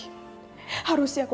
harusnya aku mencintai afif